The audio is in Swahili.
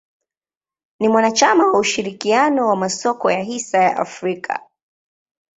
Ni mwanachama wa ushirikiano wa masoko ya hisa ya Afrika.